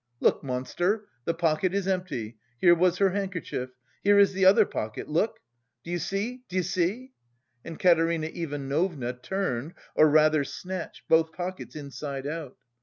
Look, monster, the pocket is empty, here was her handkerchief! Here is the other pocket, look! D'you see, d'you see?" And Katerina Ivanovna turned or rather snatched both pockets inside out.